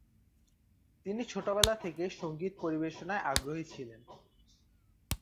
তিনি ছোটবেলা থেকেই সঙ্গীত পরিবেশনায় আগ্রহী ছিলেন।